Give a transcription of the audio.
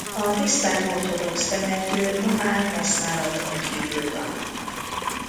A tisztán orthodox temető ma már használaton kívül van.